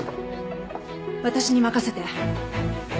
私に任せて。